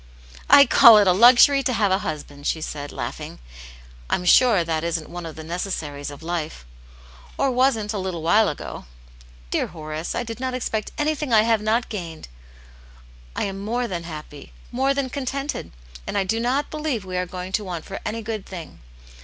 "I call it a luxury to have a husband," she said, laughing. " I'm sure that isn't one of the necessaries of life — or wasn't a little while ago. Dear Horace, I did not expect anything I have not gained. I am more than happy, more than contented, and I do not believe we are going to want for any good thing.